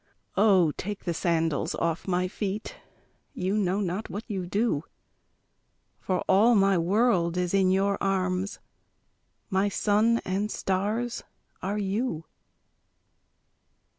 Oh take the sandals off my feet, You know not what you do; For all my world is in your arms, My sun and stars are you.